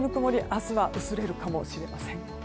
明日は薄れるかもしれません。